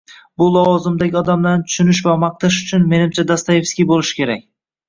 Bu lavozimdagi odamlarni tushunish va maqtash uchun, menimcha, Dostoevskiy bo'lish kerak